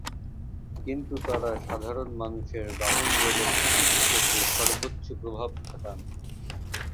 কিন্তু তাঁরা সাধারণ মানুষের বাহন রেলের টিকিট পেতে সর্বোচ্চ প্রভাব খাটান।